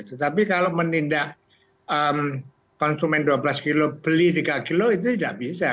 tetapi kalau menindak konsumen dua belas kg beli tiga kg itu tidak bisa